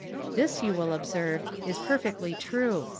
This, you will observe, is perfectly true.